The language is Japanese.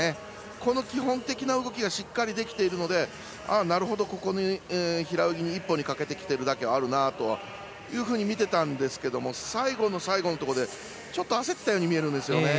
この基本的な動きがしっかりできているので平泳ぎ１本にかけてきているだけはあるなと見ていたんですけど最後の最後のところでちょっと焦ったように見えるんですよね。